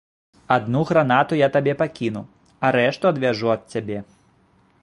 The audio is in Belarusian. Адну гранату я табе пакіну, а рэшту адвяжу ад цябе.